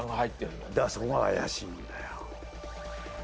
だからそこが怪しいんだよ